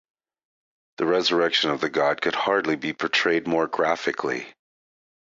The resurrection of the god could hardly be portrayed more graphically.